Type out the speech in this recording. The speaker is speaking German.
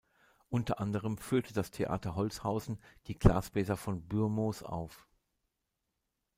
Unter anderem führte das Theater Holzhausen die "Glasbläser von Bürmoos" auf.